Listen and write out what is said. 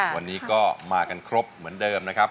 วันนี้ก็มากันครบเหมือนเดิมนะครับ